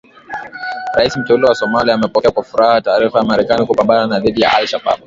Raisi Mteule wa Somalia amepokea kwa furaha taarifa ya Marekani kupambana dhidi ya Al Shabaab